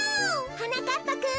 ・はなかっぱくん。